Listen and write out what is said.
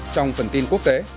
trong phần tin quốc tế